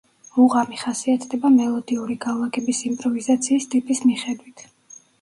მუღამი ხასიათდება მელოდიური განლაგების იმპროვიზაციის ტიპის მიხედვით.